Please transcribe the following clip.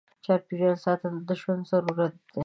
چاپېریال ساتنه د ژوند ضرورت دی.